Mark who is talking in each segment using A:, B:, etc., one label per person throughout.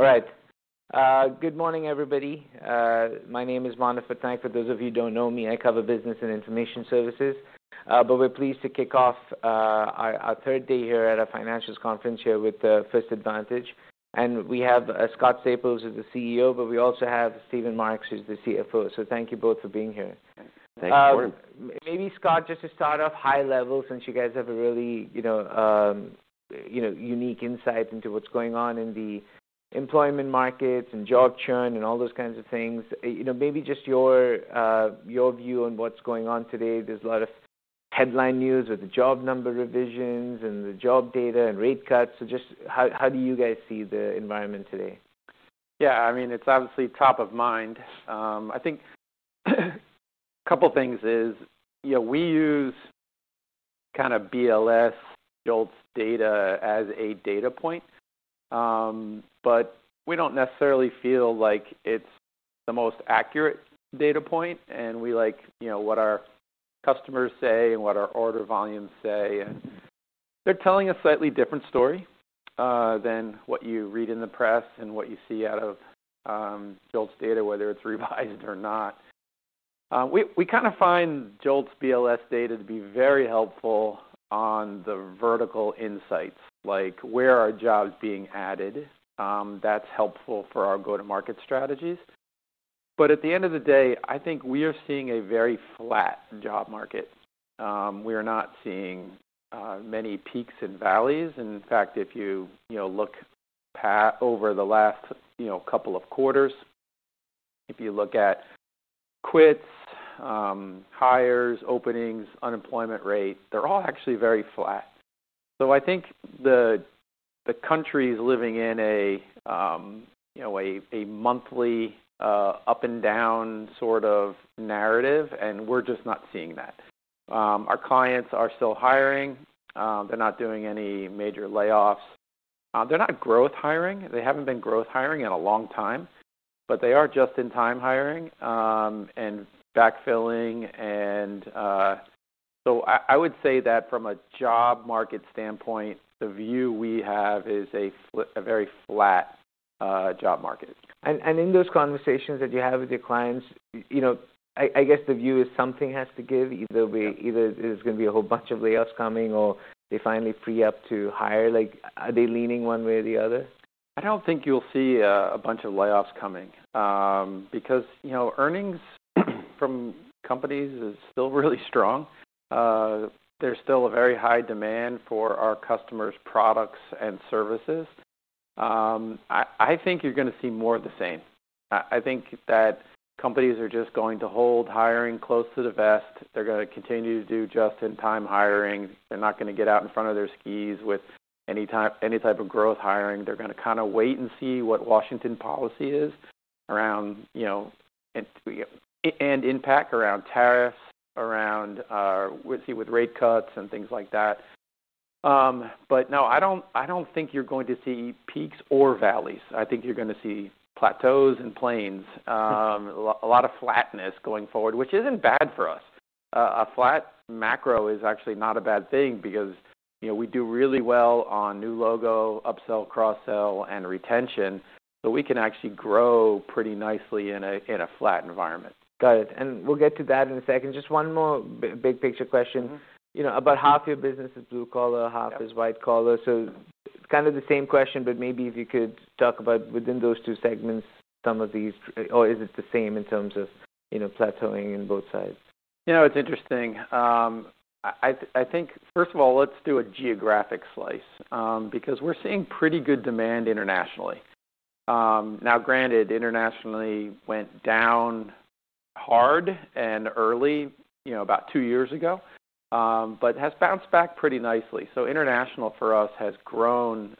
A: All right. Good morning, everybody. My name is Manu Patran. For those of you who don't know me, I cover business and information services. We're pleased to kick off our third day here at a financials conference here with First Advantage. We have Scott Staples, who's the CEO, and we also have Steven Marks, who's the CFO. Thank you both for being here.
B: Thanks for having me.
A: Scott, just to start off high level, since you guys have a really unique insight into what's going on in the employment markets and job churn and all those kinds of things, maybe just your view on what's going on today. There's a lot of headline news with the job number revisions and the job data and rate cuts. How do you guys see the environment today?
B: Yeah. I mean, it's obviously top of mind. I think a couple things is, you know, we use kind of BLS, JOLTS data as a data point, but we don't necessarily feel like it's the most accurate data point. We like, you know, what our customers say and what our order volumes say. They're telling a slightly different story than what you read in the press and what you see out of JOLTS data, whether it's revised or not. We find JOLTS BLS data to be very helpful on the vertical insights, like where are jobs being added. That's helpful for our go-to-market strategies. At the end of the day, I think we are seeing a very flat job market. We are not seeing many peaks and valleys. In fact, if you look at over the last couple of quarters, if you look at quits, hires, openings, unemployment rates, they're all actually very flat. I think the country is living in a monthly up and down sort of narrative, and we're just not seeing that. Our clients are still hiring. They're not doing any major layoffs. They're not growth hiring. They haven't been growth hiring in a long time, but they are just-in-time hiring and backfilling. I would say that from a job market standpoint, the view we have is a very flat job market.
A: In those conversations that you have with your clients, I guess the view is something has to give. Either way, either there's going to be a whole bunch of layoffs coming or they finally free up to hire. Are they leaning one way or the other?
B: I don't think you'll see a bunch of layoffs coming, because, you know, earnings from companies are still really strong. There's still a very high demand for our customers' products and services. I think you're going to see more of the same. I think that companies are just going to hold hiring close to the vest. They're going to continue to do just-in-time hiring. They're not going to get out in front of their skis with any type of growth hiring. They're going to kind of wait and see what Washington policy is around, you know, and impact around tariffs, around, we'll see with rate cuts and things like that. I don't think you're going to see peaks or valleys. I think you're going to see plateaus and planes, a lot of flatness going forward, which isn't bad for us. A flat macro is actually not a bad thing because, you know, we do really well on new logo, upsell, cross-sell, and retention. We can actually grow pretty nicely in a flat environment.
A: Got it. We'll get to that in a second. Just one more big picture question.
B: Mhmm.
A: You know, about half your business is blue collar, half is white collar. Kind of the same question, but maybe if you could talk about within those two segments, some of these, or is it the same in terms of plateauing in both sides?
B: You know, it's interesting. I think, first of all, let's do a geographic slice, because we're seeing pretty good demand internationally. Now, granted, internationally went down hard and early, about two years ago, but has bounced back pretty nicely. International for us has grown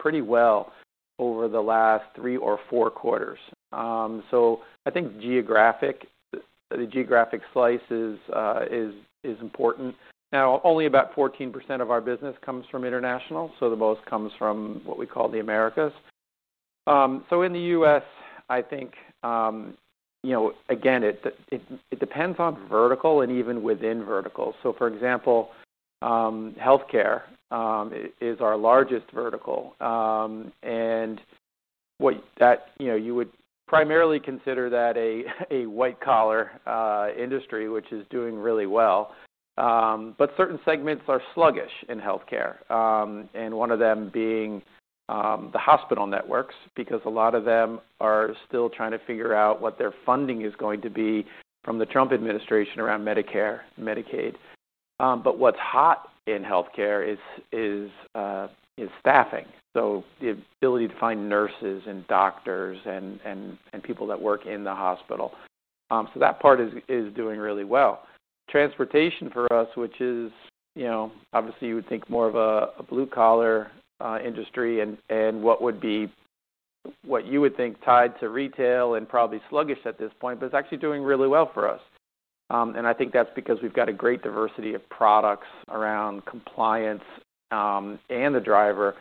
B: pretty well over the last three or four quarters. I think the geographic slice is important. Now, only about 14% of our business comes from international, so the most comes from what we call the Americas. In the U.S., I think, again, it depends on vertical and even within vertical. For example, healthcare is our largest vertical, and you would primarily consider that a white collar industry, which is doing really well, but certain segments are sluggish in healthcare, one of them being the hospital networks because a lot of them are still trying to figure out what their funding is going to be from the Trump administration around Medicare, Medicaid. What's hot in healthcare is staffing, the ability to find nurses and doctors and people that work in the hospital. That part is doing really well. Transportation for us, which is, obviously, you would think more of a blue collar industry and what you would think tied to retail and probably sluggish at this point, but it's actually doing really well for us. I think that's because we've got a great diversity of products around compliance and the driver,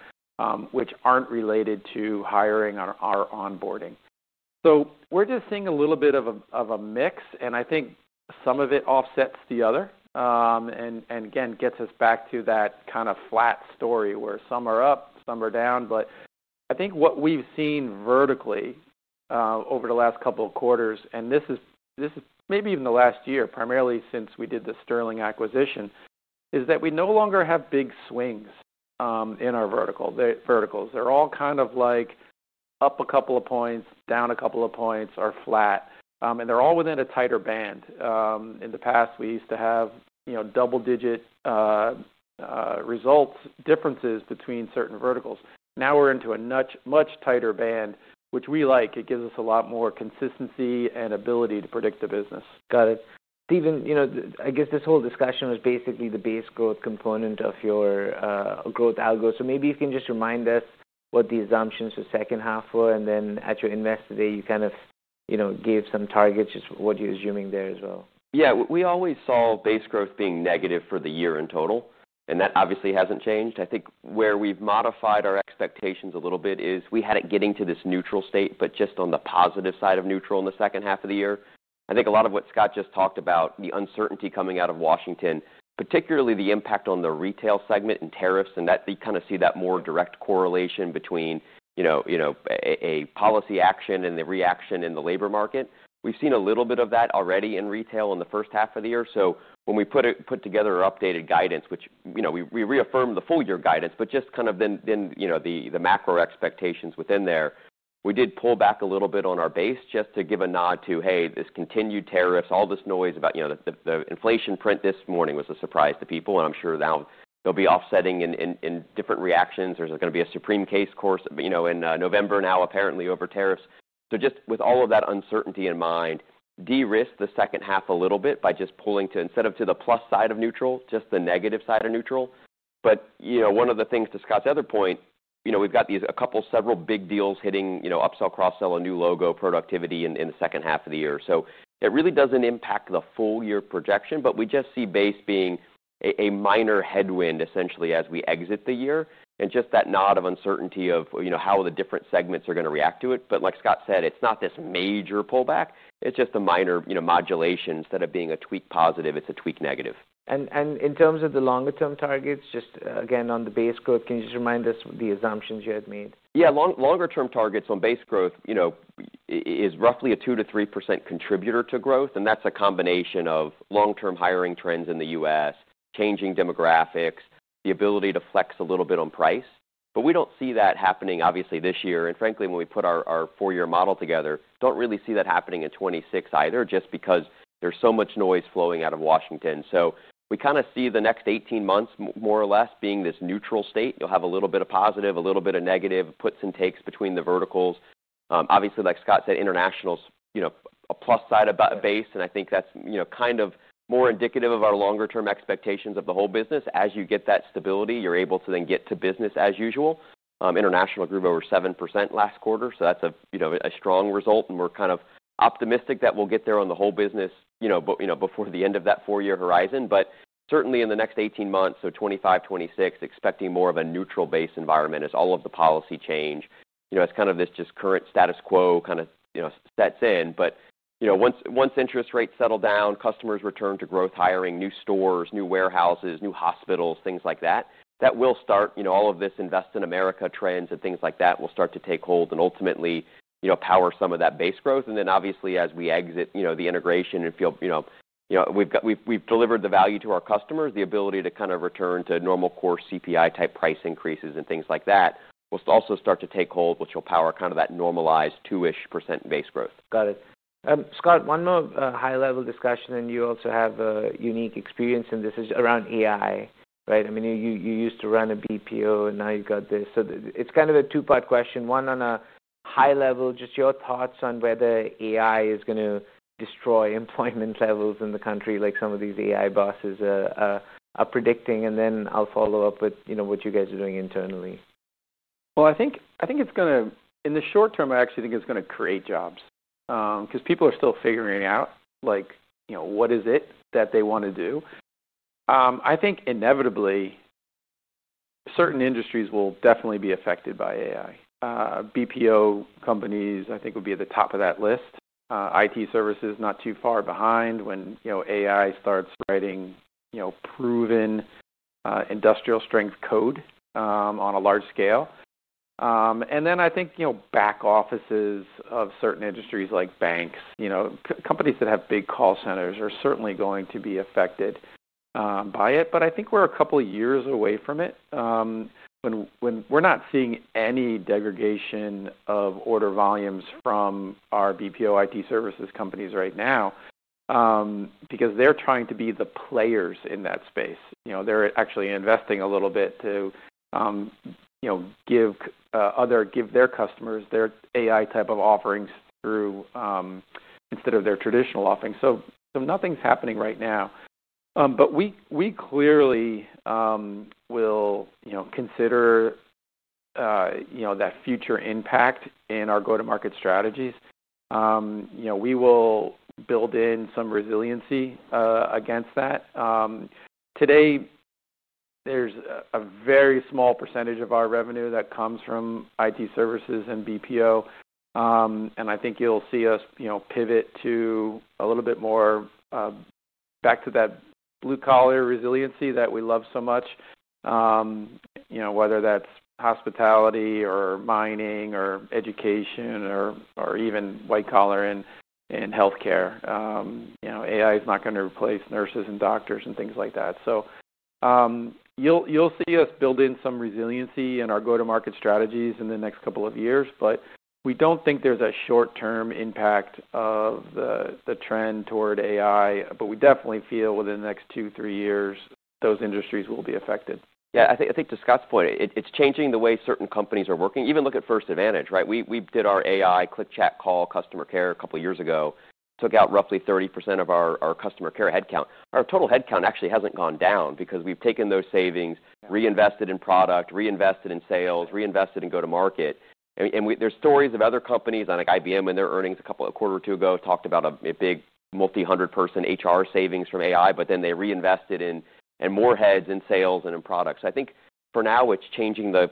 B: which aren't related to hiring or onboarding. We're just seeing a little bit of a mix, and I think some of it offsets the other, and, again, gets us back to that kind of flat story where some are up, some are down. What we've seen vertically over the last couple of quarters, and this is maybe even the last year, primarily since we did the Sterling acquisition, is that we no longer have big swings in our vertical. The verticals, they're all kind of like up a couple of points, down a couple of points, or flat, and they're all within a tighter band. In the past, we used to have double-digit results differences between certain verticals. Now we're into a much tighter band, which we like. It gives us a lot more consistency and ability to predict the business.
A: Got it. Steven, I guess this whole discussion was basically the base growth component of your growth algo. Maybe you can just remind us what the assumptions of the second half were, and then at your investor day, you gave some targets, just what you're assuming there as well.
C: Yeah. We always saw base growth being negative for the year in total, and that obviously hasn't changed. I think where we've modified our expectations a little bit is we had it getting to this neutral state, but just on the positive side of neutral in the second half of the year. I think a lot of what Scott just talked about, the uncertainty coming out of Washington, particularly the impact on the retail segment and tariffs, and that they see that more direct correlation between a policy action and the reaction in the labor market. We've seen a little bit of that already in retail in the first half of the year. When we put together our updated guidance, which we reaffirmed the full-year guidance, but just kind of the macro expectations within there, we did pull back a little bit on our base just to give a nod to, hey, this continued tariffs, all this noise about the inflation print this morning was a surprise to people, and I'm sure now they'll be offsetting in different reactions. There's going to be a Supreme Court case in November now, apparently, over tariffs. Just with all of that uncertainty in mind, de-risk the second half a little bit by just pulling to instead of to the plus side of neutral, just the negative side of neutral. One of the things to Scott's other point, we've got these several big deals hitting, upsell, cross-sell, a new logo, productivity in the second half of the year. It really doesn't impact the full-year projection, but we just see base being a minor headwind, essentially, as we exit the year. Just that nod of uncertainty of how the different segments are going to react to it. Like Scott said, it's not this major pullback. It's just a minor modulation instead of being a tweak positive, it's a tweak negative.
A: In terms of the longer-term targets, just again, on the base growth, can you just remind us the assumptions you had made?
C: Yeah. Longer-term targets on base growth, you know, is roughly a 2 to 3% contributor to growth, and that's a combination of long-term hiring trends in the U.S., changing demographics, the ability to flex a little bit on price. We don't see that happening, obviously, this year. Frankly, when we put our four-year model together, don't really see that happening in 2026 either, just because there's so much noise flowing out of Washington. We kinda see the next 18 months more or less being this neutral state. You'll have a little bit of positive, a little bit of negative, puts and takes between the verticals. Obviously, like Scott said, international's, you know, a plus side about a base, and I think that's, you know, kind of more indicative of our longer-term expectations of the whole business. As you get that stability, you're able to then get to business as usual. International grew over 7% last quarter. That's a, you know, a strong result, and we're kind of optimistic that we'll get there on the whole business, you know, before the end of that four-year horizon. Certainly, in the next 18 months, so 2025, 2026, expecting more of a neutral base environment as all of the policy change, you know, as kind of this just current status quo kind of, you know, sets in. Once interest rates settle down, customers return to growth hiring, new stores, new warehouses, new hospitals, things like that, that will start, you know, all of this invest in America trends and things like that will start to take hold and ultimately, you know, power some of that base growth. Obviously, as we exit, you know, the integration and feel, you know, we've delivered the value to our customers, the ability to kind of return to normal core CPI type price increases and things like that will also start to take hold, which will power kind of that normalized 2% base growth.
A: Got it. Scott, one more high-level discussion, and you also have a unique experience, and this is around AI, right? I mean, you used to run a BPO, and now you've got this. It's kind of a two-part question. One, on a high level, just your thoughts on whether AI is going to destroy employment levels in the country, like some of these AI bosses are predicting. I'll follow up with what you guys are doing internally.
B: I think it's going to, in the short term, actually create jobs, because people are still figuring out, like, you know, what is it that they want to do. I think inevitably, certain industries will definitely be affected by AI. BPO companies, I think, would be at the top of that list. IT services, not too far behind when, you know, AI starts writing, you know, proven, industrial strength code, on a large scale. I think, you know, back offices of certain industries like banks, companies that have big call centers are certainly going to be affected by it. I think we're a couple years away from it. We're not seeing any degradation of order volumes from our BPO IT services companies right now, because they're trying to be the players in that space. They're actually investing a little bit to give their customers their AI type of offerings through, instead of their traditional offerings. Nothing's happening right now. We clearly will consider that future impact in our go-to-market strategies. We will build in some resiliency against that. Today, there's a very small percentage of our revenue that comes from IT services and BPO. I think you'll see us pivot to a little bit more, back to that blue collar resiliency that we love so much, whether that's hospitality or mining or education or even white collar in healthcare. AI is not going to replace nurses and doctors and things like that. You'll see us build in some resiliency in our go-to-market strategies in the next couple of years, but we don't think there's a short-term impact of the trend toward AI, but we definitely feel within the next 2, 3 years, those industries will be affected.
C: Yeah. I think to Scott's point, it's changing the way certain companies are working. Even look at First Advantage, right? We did our AI click chat call customer care a couple years ago, took out roughly 30% of our customer care headcount. Our total headcount actually hasn't gone down because we've taken those savings, reinvested in product, reinvested in sales, reinvested in go-to-market. There are stories of other companies like IBM and their earnings a quarter or two ago talked about a big multi-hundred person HR savings from AI, but then they reinvested in more heads in sales and in products. I think for now, it's changing the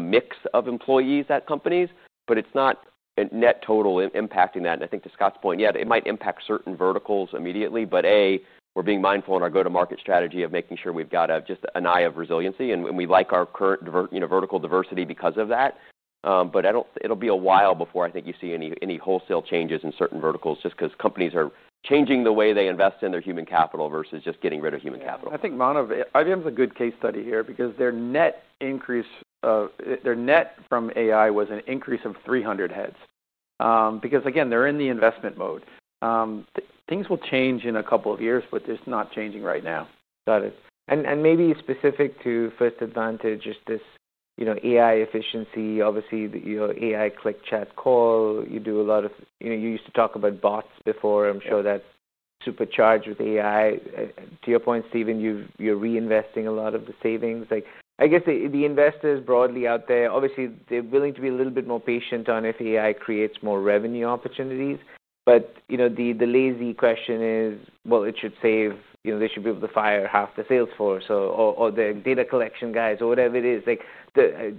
C: mix of employees at companies, but it's not in net total impacting that. I think to Scott's point, it might impact certain verticals immediately, but we're being mindful in our go-to-market strategy of making sure we've got just an eye of resiliency, and we like our current vertical diversity because of that. I don't think it'll be a while before you see any wholesale changes in certain verticals just because companies are changing the way they invest in their human capital versus just getting rid of human capital.
B: I think IBM's a good case study here because their net increase, their net from AI was an increase of 300 heads. Again, they're in the investment mode. Things will change in a couple of years, but they're not changing right now.
A: Got it. Maybe specific to First Advantage, just this AI efficiency, obviously, you know, AI click chat call, you do a lot of, you know, you used to talk about bots before. I'm sure that's supercharged with AI. To your point, Steven, you're reinvesting a lot of the savings. I guess the investors broadly out there, obviously, they're willing to be a little bit more patient on if AI creates more revenue opportunities. The lazy question is, it should save, you know, they should be able to fire half the sales force or the data collection guys or whatever it is.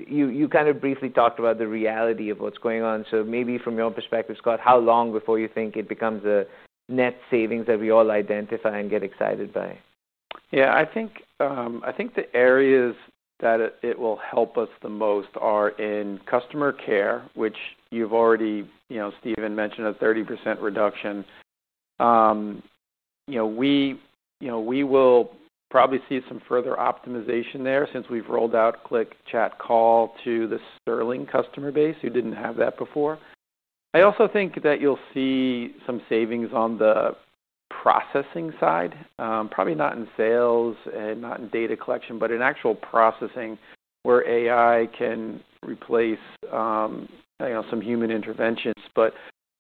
A: You kind of briefly talked about the reality of what's going on. Maybe from your perspective, Scott, how long before you think it becomes a net savings that we all identify and get excited by?
B: I think the areas that it will help us the most are in customer care, which you've already, you know, Steven mentioned a 30% reduction. We will probably see some further optimization there since we've rolled out click chat call to the Sterling customer base who didn't have that before. I also think that you'll see some savings on the processing side, probably not in sales and not in data collection, but in actual processing where AI can replace some human interventions.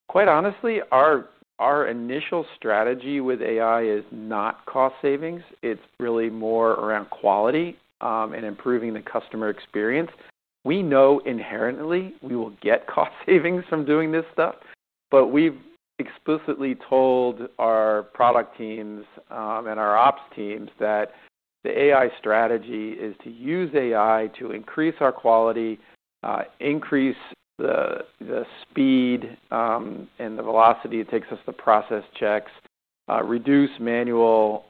B: Quite honestly, our initial strategy with AI is not cost savings. It's really more around quality, and improving the customer experience. We know inherently we will get cost savings from doing this stuff, but we've explicitly told our product teams and our ops teams that the AI strategy is to use AI to increase our quality, increase the speed and the velocity it takes us to process checks, reduce manual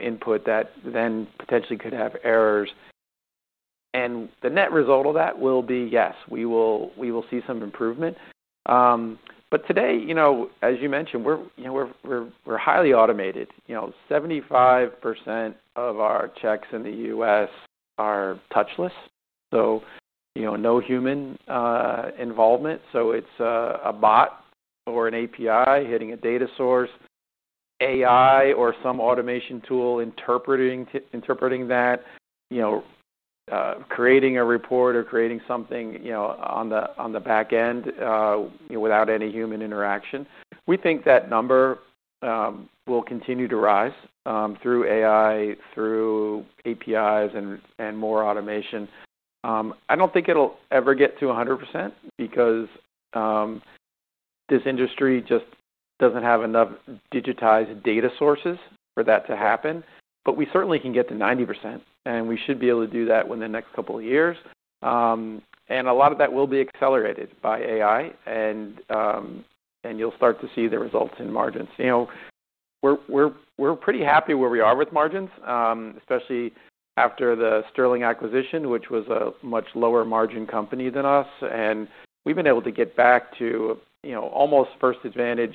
B: input that then potentially could have errors. The net result of that will be, yes, we will see some improvement. Today, as you mentioned, we're highly automated. 75% of our checks in the U.S. are touchless, so no human involvement. It's a bot or an API hitting a data source, AI or some automation tool interpreting that, creating a report or creating something on the back end without any human interaction. We think that number will continue to rise through AI, through APIs, and more automation. I don't think it'll ever get to 100% because this industry just doesn't have enough digitized data sources for that to happen. We certainly can get to 90%, and we should be able to do that within the next couple of years. A lot of that will be accelerated by AI, and you'll start to see the results in margins. We're pretty happy where we are with margins, especially after the Sterling acquisition, which was a much lower margin company than us. We've been able to get back to almost First Advantage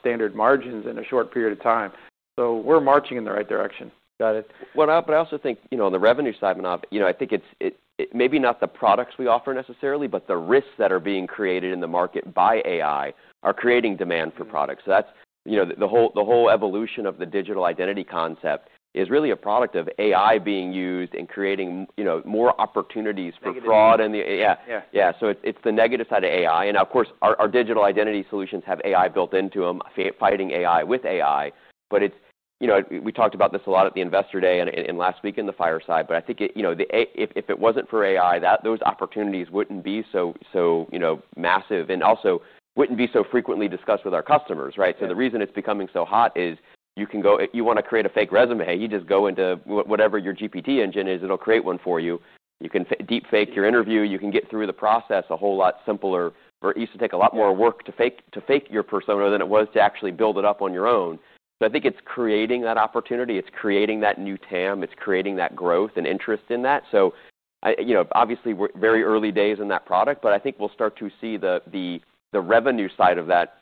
B: standard margins in a short period of time. We're marching in the right direction.
A: Got it.
C: I also think, you know, on the revenue side, you know, I think it's maybe not the products we offer necessarily, but the risks that are being created in the market by AI are creating demand for products. That's, you know, the whole evolution of the digital identity concept is really a product of AI being used and creating more opportunities for fraud and the.
B: Yeah.
C: Yeah. It's the negative side of AI. Of course, our digital identity solutions have AI built into them, fighting AI with AI. We talked about this a lot at the investor day and last week in the fireside. I think if it wasn't for AI, those opportunities wouldn't be so massive and also wouldn't be so frequently discussed with our customers. The reason it's becoming so hot is you can go, you want to create a fake resume, you just go into whatever your GPT engine is, it'll create one for you. You can deep fake your interview. You can get through the process a whole lot simpler. It used to take a lot more work to fake your persona than it was to actually build it up on your own. I think it's creating that opportunity. It's creating that new TAM. It's creating that growth and interest in that. Obviously, we're very early days in that product, but I think we'll start to see the revenue side of that,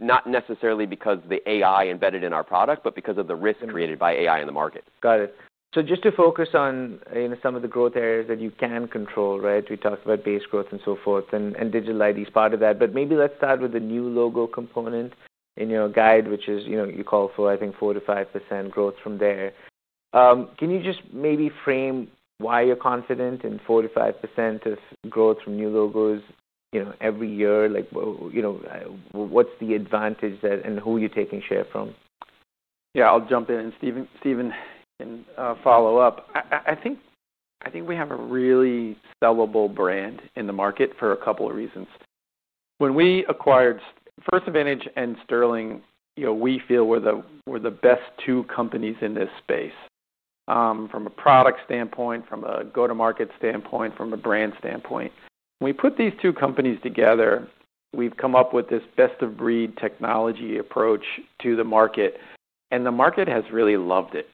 C: not necessarily because of the AI embedded in our product, but because of the risk created by AI in the markets.
A: Got it. Just to focus on some of the growth areas that you can control, right? We talked about base growth and so forth, and digital ID is part of that. Maybe let's start with the new logo component in your guide, which is, you know, you call for, I think, 4 to 5% growth from there. Can you just maybe frame why you're confident in 4 to 5% of growth from new logos every year? Like, what's the advantage and who you're taking share from?
B: Yeah. I'll jump in. Steven can follow up. I think we have a really sellable brand in the market for a couple of reasons. When we acquired First Advantage and Sterling, we feel we're the best two companies in this space, from a product standpoint, from a go-to-market standpoint, from a brand standpoint. When we put these two companies together, we've come up with this best-of-breed technology approach to the market, and the market has really loved it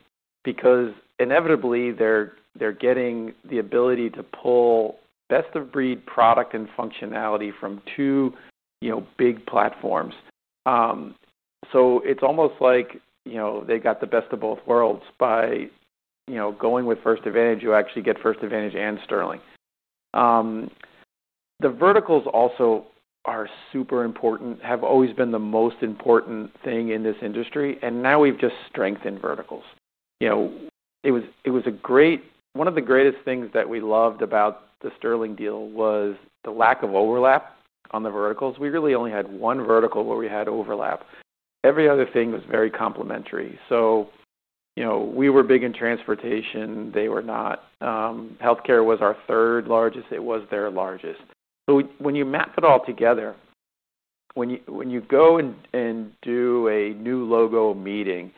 B: because inevitably, they're getting the ability to pull best-of-breed product and functionality from two big platforms. It's almost like they got the best of both worlds by going with First Advantage. You actually get First Advantage and Sterling. The verticals also are super important, have always been the most important thing in this industry, and now we've just strengthened verticals. It was a great, one of the greatest things that we loved about the Sterling deal was the lack of overlap on the verticals. We really only had one vertical where we had overlap. Every other thing was very complementary. We were big in transportation. They were not. Healthcare was our third largest. It was their largest. When you map it all together, when you go and do a new logo meeting,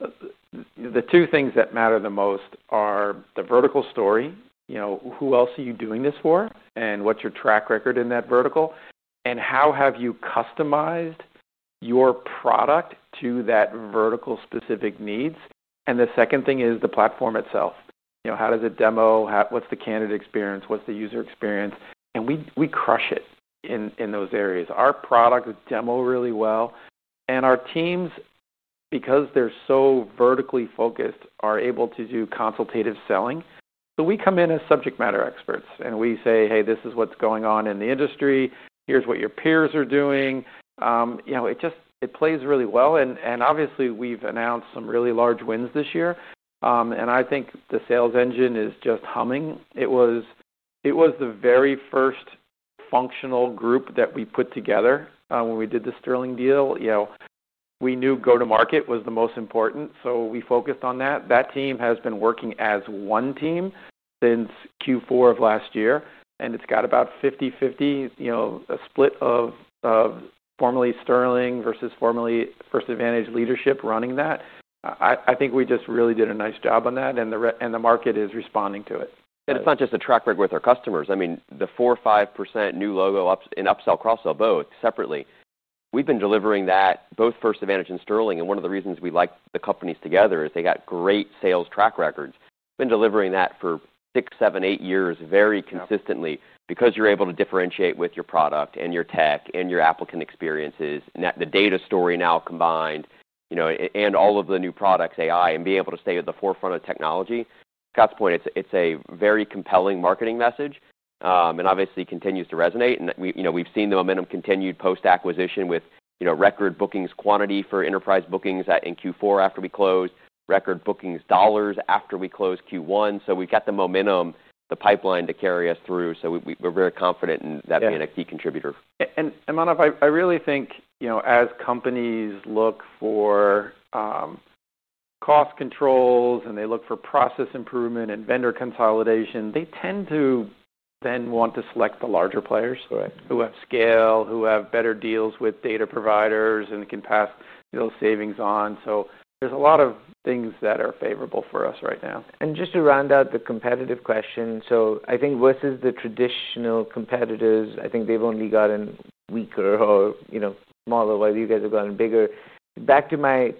B: the two things that matter the most are the vertical story, who else are you doing this for, and what's your track record in that vertical, and how have you customized your product to that vertical-specific needs. The second thing is the platform itself. How does it demo? What's the candidate experience? What's the user experience? We crush it in those areas. Our product demos really well. Our teams, because they're so vertically focused, are able to do consultative selling. We come in as subject matter experts, and we say, hey, this is what's going on in the industry. Here's what your peers are doing. It just plays really well. Obviously, we've announced some really large wins this year, and I think the sales engine is just humming. It was the very first functional group that we put together when we did the Sterling deal. We knew go-to-market was the most important. We focused on that. That team has been working as one team since Q4 of last year, and it's got about 50/50, a split of formerly Sterling versus formerly First Advantage leadership running that. I think we just really did a nice job on that, and the market is responding to it.
C: It is not just a track record with our customers. I mean, the 4 or 5% new logo ups in upsell, cross-sell, both separately. We have been delivering that both First Advantage and Sterling. One of the reasons we like the companies together is they have great sales track records. Been delivering that for 6, 7, 8 years very consistently because you are able to differentiate with your product and your tech and your applicant experiences. The data story now combined, you know, and all of the new products, AI, and being able to stay at the forefront of technology. Scott's point, it is a very compelling marketing message, and obviously continues to resonate. We have seen the momentum continued post-acquisition with, you know, record bookings quantity for enterprise bookings in Q4 after we closed, record bookings dollars after we closed Q1. We have the momentum, the pipeline to carry us through. We are very confident in that being a key contributor.
B: Manu, I really think, you know, as companies look for cost controls and they look for process improvement and vendor consolidation, they tend to then want to select the larger players.
A: Right.
B: Who have scale, who have better deals with data providers and can pass those savings on. There are a lot of things that are favorable for us right now.
A: Just to round out the competitive question, I think versus the traditional competitors, they've only gotten weaker or, you know, smaller, while you guys have gotten bigger. Back to my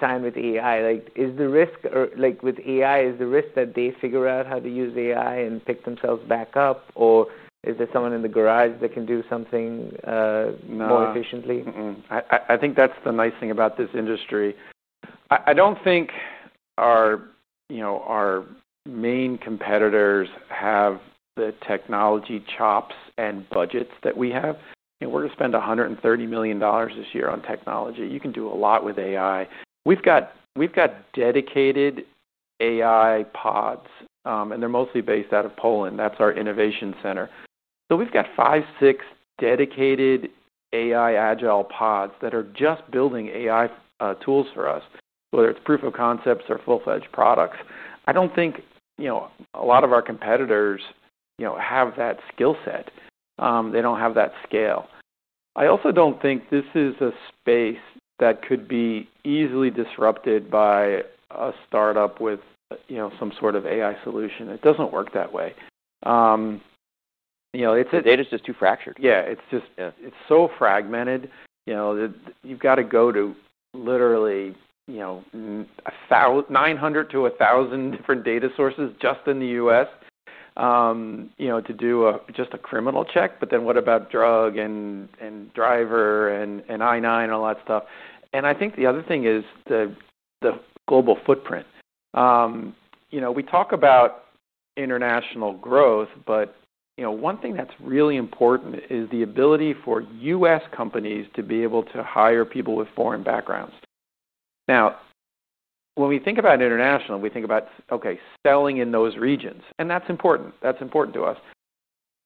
A: time with AI, is the risk that they figure out how to use AI and pick themselves back up, or is there someone in the garage that can do something more efficiently?
B: I think that's the nice thing about this industry. I don't think our main competitors have the technology chops and budgets that we have. You know, we're going to spend $130 million this year on technology. You can do a lot with AI. We've got dedicated AI pods, and they're mostly based out of Poland. That's our innovation center. We've got 5, 6 dedicated AI agile pods that are just building AI tools for us, whether it's proof of concepts or full-fledged products. I don't think a lot of our competitors have that skill set. They don't have that scale. I also don't think this is a space that could be easily disrupted by a startup with some sort of AI solution. It doesn't work that way. It's just too fractured. Yeah. It's just so fragmented. You've got to go to literally 900 to 1,000 different data sources just in the U.S. to do just a criminal check. What about drug and driver and I-9 and all that stuff? I think the other thing is the global footprint. We talk about international growth, but one thing that's really important is the ability for U.S. companies to be able to hire people with foreign backgrounds. Now, when we think about international, we think about selling in those regions. That's important to us.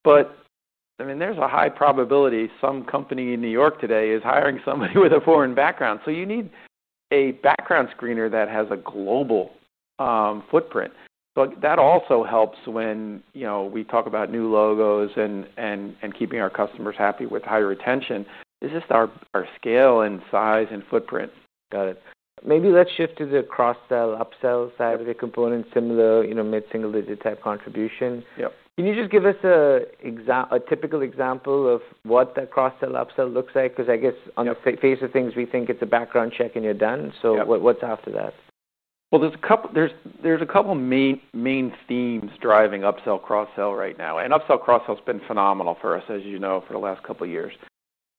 B: I mean, there's a high probability some company in New York today is hiring somebody with a foreign background. You need a background screener that has a global footprint. That also helps when we talk about new logos and keeping our customers happy with higher retention. It's just our scale and size and footprint.
A: Got it. Maybe let's shift to the cross-sell, upsell side of the component, similar, you know, mid-single-digit type contribution.
B: Yep.
A: Can you just give us an example, a typical example of what that cross-sell, upsell looks like? I guess on the face of things, we think it's a background check and you're done.
B: Yeah.
A: What's after that?
B: There are a couple main themes driving upsell/cross-sell right now. Upsell/cross-sell has been phenomenal for us, as you know, for the last couple of years.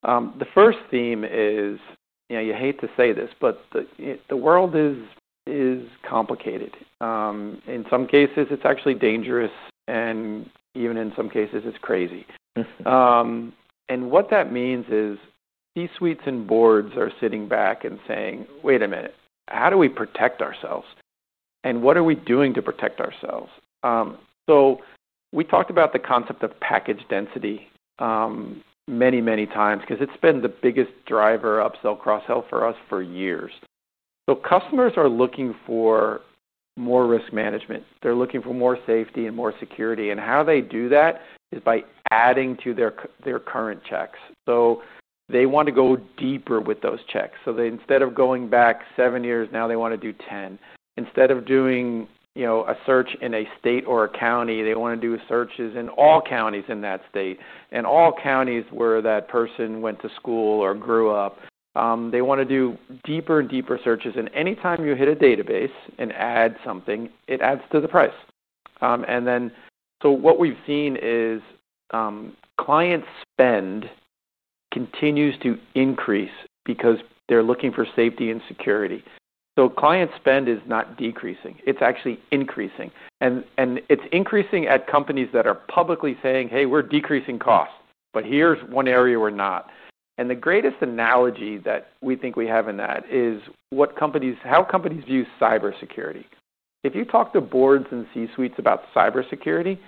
B: The first theme is, you hate to say this, but the world is complicated. In some cases, it's actually dangerous, and even in some cases, it's crazy. What that means is C-suites and boards are sitting back and saying, wait a minute. How do we protect ourselves? What are we doing to protect ourselves? We talked about the concept of package density many, many times because it's been the biggest driver of upsell/cross-sell for us for years. Customers are looking for more risk management. They're looking for more safety and more security. How they do that is by adding to their current checks. They want to go deeper with those checks. Instead of going back 7 years, now they want to do 10. Instead of doing a search in a state or a county, they want to do searches in all counties in that state and all counties where that person went to school or grew up. They want to do deeper and deeper searches. Anytime you hit a database and add something, it adds to the price. What we've seen is client spend continues to increase because they're looking for safety and security. Client spend is not decreasing. It's actually increasing, and it's increasing at companies that are publicly saying, hey, we're decreasing costs, but here's one area we're not. The greatest analogy that we think we have in that is how companies view cybersecurity. If you talk to boards and C-suites about cybersecurity,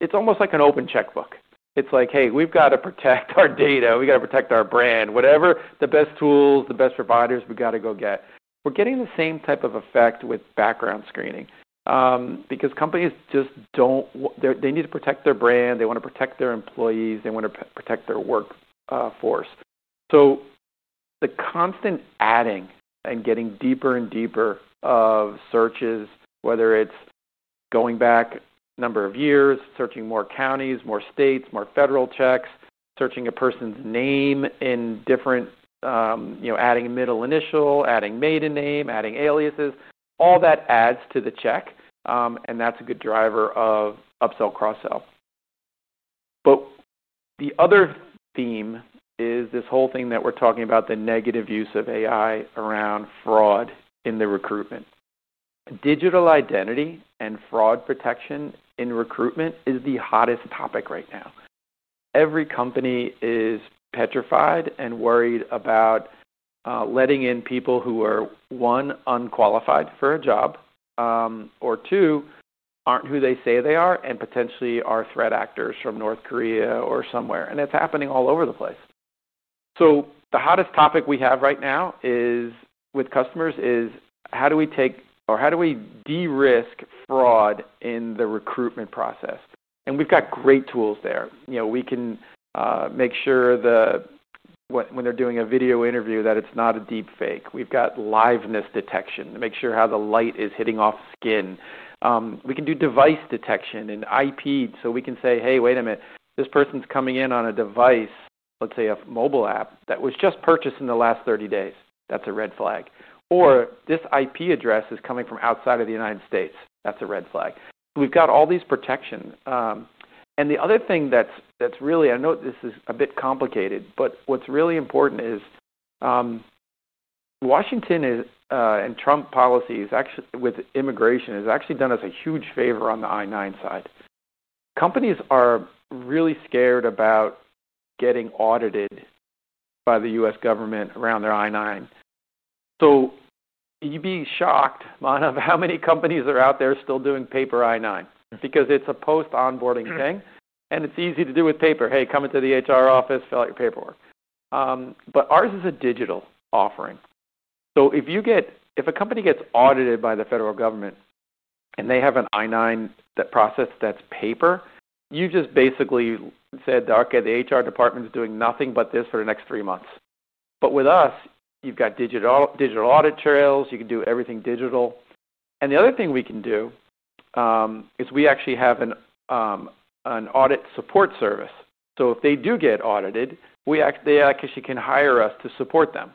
B: it's almost like an open checkbook. It's like, hey, we've got to protect our data. We got to protect our brand. Whatever the best tools, the best providers, we got to go get. We're getting the same type of effect with employment background screening, because companies just don't, they need to protect their brand. They want to protect their employees. They want to protect their workforce. The constant adding and getting deeper and deeper of searches, whether it's going back a number of years, searching more counties, more states, more federal checks, searching a person's name in different ways, adding a middle initial, adding maiden name, adding aliases, all that adds to the check, and that's a good driver of upsell/cross-sell. The other theme is this whole thing that we're talking about, the negative use of AI around fraud in recruitment. Digital identity and fraud protection in recruitment is the hottest topic right now. Every company is petrified and worried about letting in people who are, one, unqualified for a job, or, two, aren't who they say they are and potentially are threat actors from North Korea or somewhere. It's happening all over the place. The hottest topic we have right now with customers is how do we de-risk fraud in the recruitment process? We've got great tools there. We can make sure when they're doing a video interview that it's not a deep fake. We've got liveness detection to make sure how the light is hitting off skin. We can do device detection and IP so we can say, hey, wait a minute. This person's coming in on a device, let's say a mobile app that was just purchased in the last 30 days. That's a red flag. Or this IP address is coming from outside of the U.S. That's a red flag. We've got all these protections. The other thing that's really, I know this is a bit complicated, but what's really important is, Washington and Trump policy with immigration has actually done us a huge favor on the I-9 side. Companies are really scared about getting audited by the U.S. government around their I-9. You'd be shocked, Manu, how many companies are out there still doing paper I-9s because it's a post-onboarding thing, and it's easy to do with paper. Hey, come into the HR office, fill out your paperwork. Ours is a digital offering. If a company gets audited by the federal government and they have an I-9 process that's paper, you just basically said that, okay, the HR department's doing nothing but this for the next 3 months. With us, you've got digital audit trails. You can do everything digital. The other thing we can do is we actually have an audit support service. If they do get audited, they actually can hire us to support them.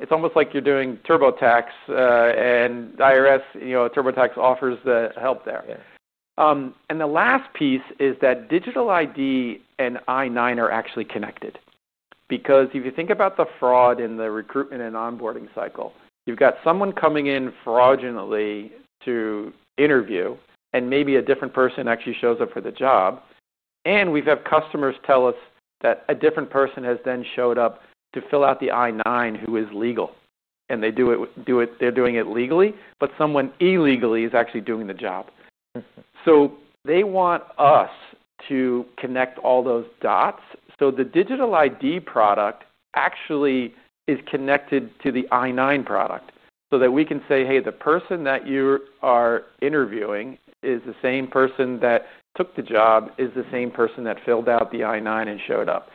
B: It's almost like you're doing TurboTax, and the IRS, you know, TurboTax offers the help there.
A: Yeah.
B: The last piece is that digital ID and I-9 are actually connected because if you think about the fraud in the recruitment and onboarding cycle, you've got someone coming in fraudulently to interview, and maybe a different person actually shows up for the job. We've had customers tell us that a different person has then showed up to fill out the I-9 who is legal. They do it legally, but someone illegally is actually doing the job. They want us to connect all those dots. The digital ID product actually is connected to the I-9 product so that we can say, hey, the person that you are interviewing is the same person that took the job, is the same person that filled out the I-9 and showed up.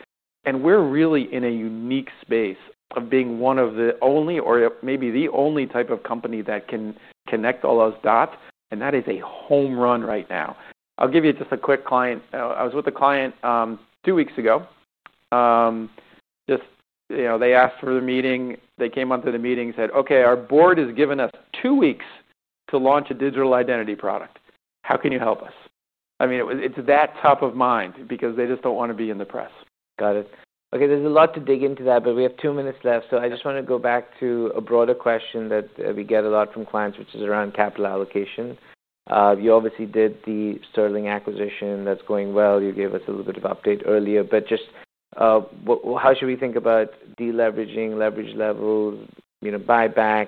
B: We're really in a unique space of being one of the only or maybe the only type of company that can connect all those dots, and that is a home run right now. I'll give you just a quick client. I was with a client 2 weeks ago. They asked for the meeting. They came onto the meeting and said, okay, our board has given us 2 weeks to launch a digital identity product. How can you help us? It is that top of mind because they just don't want to be in the press.
A: Got it. Okay. There's a lot to dig into that, but we have 2 minutes left. I just wanna go back to a broader question that we get a lot from clients, which is around capital allocation. You obviously did the Sterling acquisition that's going well. You gave us a little bit of update earlier. Just, how should we think about deleveraging, leverage level, buybacks,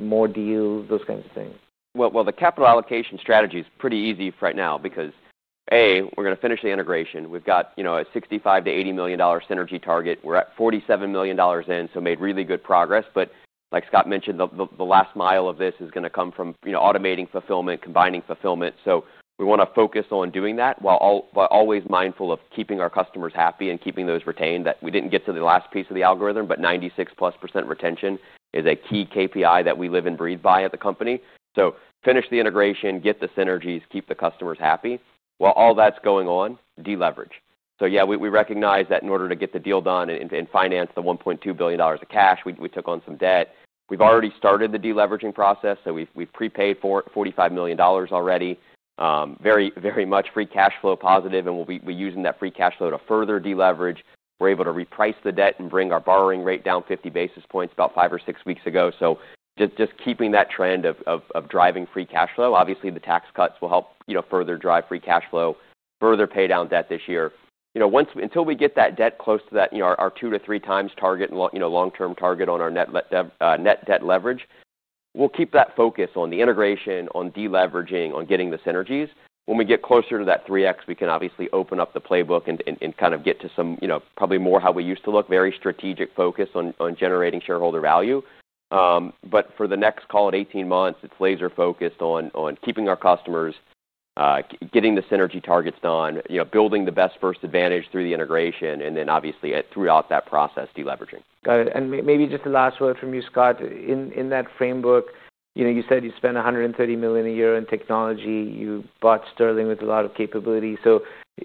A: more deals, those kinds of things?
C: The capital allocation strategy is pretty easy right now because, A, we're going to finish the integration. We've got a $65 to $80 million synergy target. We're at $47 million in, so made really good progress. Like Scott mentioned, the last mile of this is going to come from automating fulfillment, combining fulfillment. We want to focus on doing that while always mindful of keeping our customers happy and keeping those retained. We didn't get to the last piece of the algorithm, but 96+% retention is a key KPI that we live and breathe by at the company. Finish the integration, get the synergies, keep the customers happy. While all that's going on, deleverage. We recognize that in order to get the deal done and finance the $1.2 billion of cash, we took on some debt. We've already started the deleveraging process. We've prepaid for it, $45 million already. Very, very much free cash flow positive, and we're using that free cash flow to further deleverage. We're able to reprice the debt and bring our borrowing rate down 50 basis points about 5 or 6 weeks ago. Just keeping that trend of driving free cash flow. Obviously, the tax cuts will help further drive free cash flow, further pay down debt this year. Once we get that debt close to our 2 to 3x target and long-term target on our net debt leverage, we'll keep that focus on the integration, on deleveraging, on getting the synergies. When we get closer to that 3x, we can obviously open up the playbook and kind of get to some, probably more how we used to look, very strategic focus on generating shareholder value. For the next, call it, 18 months, it's laser focused on keeping our customers, getting the synergy targets done, building the best First Advantage through the integration, and then obviously throughout that process, deleveraging.
A: Got it. Maybe just a last word from you, Scott. In that framework, you said you spent $130 million a year in technology. You bought Sterling with a lot of capability. There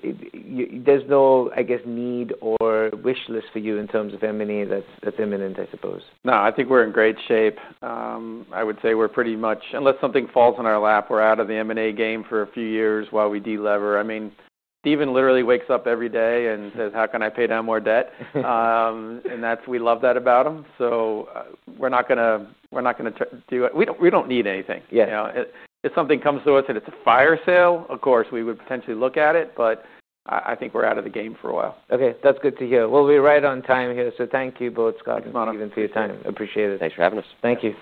A: is no, I guess, need or wish list for you in terms of M&A that's imminent, I suppose.
B: No. I think we're in great shape. I would say we're pretty much, unless something falls in our lap, we're out of the M&A game for a few years while we delever. I mean, Steven literally wakes up every day and says, how can I pay down more debt? We love that about him. We're not going to do it. We don't need anything.
A: Yeah.
B: If something comes to us and it's a fire sale, of course, we would potentially look at it, but I think we're out of the game for a while.
A: Okay. That's good to hear. We're right on time here. Thank you both, Scott.
B: Manu.
A: thank you for your time. Appreciate it.
C: Thanks for having us.
A: Thank you.